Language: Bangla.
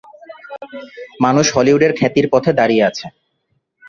মানুষ হলিউডের খ্যাতির পথে দাঁড়িয়ে আছে।